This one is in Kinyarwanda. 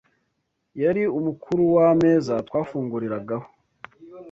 yari umukuru w’ameza twafunguriragaho.”